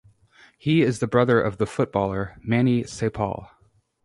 He is the brother of the footballer Mani Sapol.